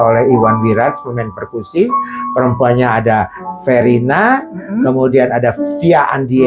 oleh iwan wirat semen perkusih perempuannya ada verena kemudian ada via andienya